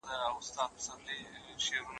هم لری، هم ناولی، هم ناوخته راستولی.